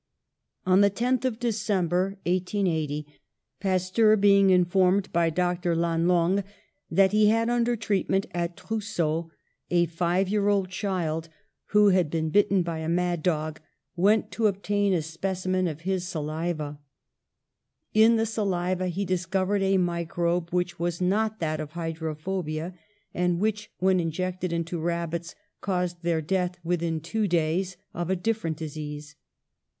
On the 10th of December, 1880, Pasteur, be ing informed by Dr. Lannelongue that he had under treatment, at Trousseau a five year old child who had been bitten by a mad dog, went to obtain a specimen of his saliva. In the saliva he discovered a microbe, which was not that of hydrophobia, and which, when injected into rabbits, caused their death within two days of a different disease.